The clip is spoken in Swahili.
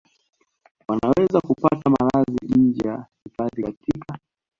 wanaweza kupata malazi nje ya hifadhi katika